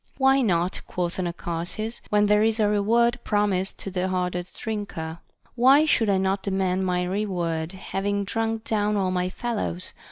Why not, quoth Anacharsis, when there is a reward promised to the hardest drinker? Why should I not demand my reward, having drunk down all my fellows